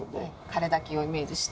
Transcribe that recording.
枯れ滝をイメージして。